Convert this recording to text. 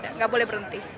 tidak boleh berhenti